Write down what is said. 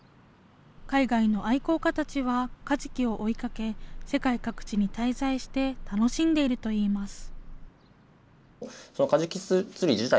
海外の愛好家たちはカジキを追いかけ、世界各地に滞在して楽しんでいるといいます。